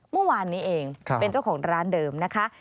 เมื่อวานนี้เองเป็นเจ้าของร้านเดิมนะคะ